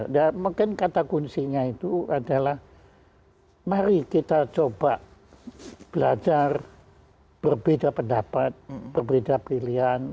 dan mungkin kata kuncinya itu adalah mari kita coba belajar berbeda pendapat berbeda pilihan